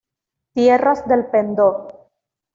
Tierras del Pendón.